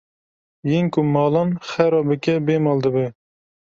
Yên ku malan xera bike bê mal dibe